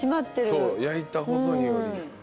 そう焼いたことにより。